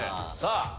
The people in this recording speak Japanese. さあ